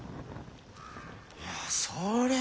いやそりゃあ